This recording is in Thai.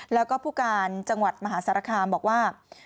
แล้วก็ผู้การจังหวัดมหาสารคามบอกว่า